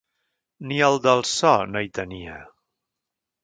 Ni el del so, no hi tenia.